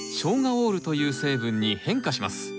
オールという成分に変化します。